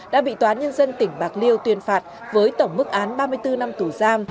đã bị tòa án nhân dân tỉnh bạc liêu tuyên phạt với tổng mức án ba mươi bốn năm tù giam